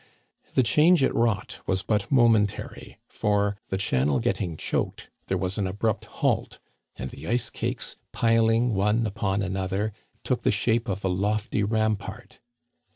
The change it wrought was but moment ary, for the channel getting choked there was an abrupt halt, and the ice cakes, piling one upon another, took the shape of a lofty rampart.